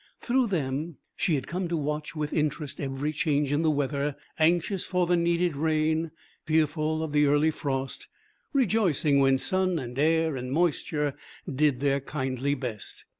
Through them she had come to watch with interest every change in the weather, anxious for the needed rain, fearful of the early frost, rejoicing when sun and air and moisture did their kindly best.